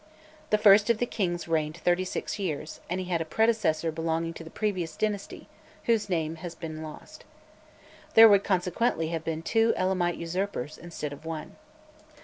The first of the kings reigned thirty six years, and he had a predecessor belonging to the previous dynasty whose name has been lost. There would consequently have been two Elamite usurpers instead of one.